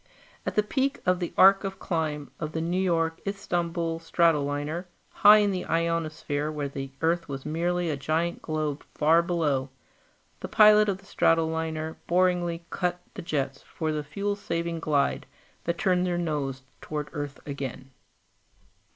At the peak of the arc of climb of the New York Istanbul stratoliner, high in the ionosphere where the Earth was merely a giant globe far below, the pilot of the stratoliner boredly cut the jets for the fuel saving glide that turned their nose toward Earth again.